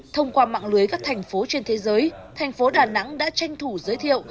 thông qua mạng lưới các thành phố trên thế giới thành phố đà nẵng đã tranh thủ giới thiệu